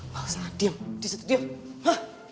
mau sangat diam di situ diam